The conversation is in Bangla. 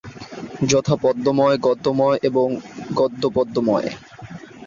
যথাঃ পদ্যময়, গদ্যময় এবং পদ্যগদ্যময়।